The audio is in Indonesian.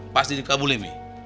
pasti dikabuli mi